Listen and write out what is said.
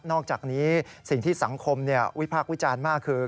อกจากนี้สิ่งที่สังคมวิพากษ์วิจารณ์มากคือ